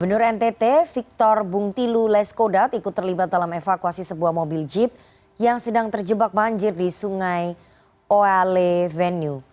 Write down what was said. gubernur ntt victor bung tilu leskodat ikut terlibat dalam evakuasi sebuah mobil jeep yang sedang terjebak banjir di sungai oe venue